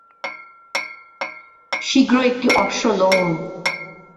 শীঘ্র একটি অশ্ব লউন।